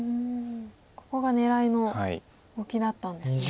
ここが狙いのオキだったんですね。